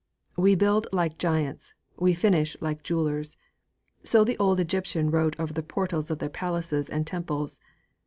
VI 'We Build Like Giants; we Finish Like Jewelers!' so the old Egyptians wrote over the portals of their palaces and temples.